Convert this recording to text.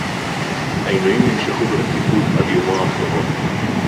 העינויים נמשכו ברציפות עד יומו האחרון